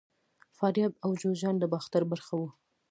فاریاب او جوزجان د باختر برخه وو